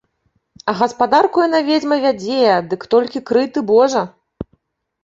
А гаспадарку яна, ведзьма, вядзе, дык толькі крый ты божа!